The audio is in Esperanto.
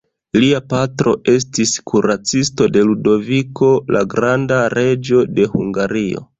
Lia patro estis kuracisto de Ludoviko, la granda, reĝo de Hungario.